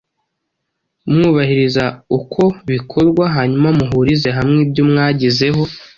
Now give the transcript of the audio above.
mwubahiriza uko bikorwa, hanyuma muhurize hamwe ibyo mwagezeho.